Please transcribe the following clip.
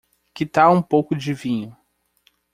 Que tal um pouco de vinho?